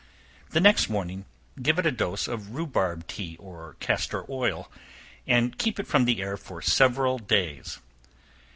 The next morning give it a dose of rhubarb tea or castor oil, and keep it from the air for several days.